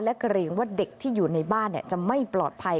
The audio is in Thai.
และเกรงว่าเด็กที่อยู่ในบ้านจะไม่ปลอดภัย